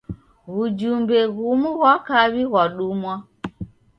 W'ujumbe ghumu ghwa kaw'i ghwadumwa.